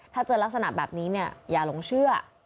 ถ้าเจอลักษณะแบบนี้เนี่ยอย่าหลงเชื่อ